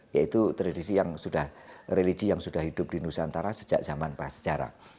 yaitu tradisi yang sudah hidup di nusantara sejak zaman prasejarah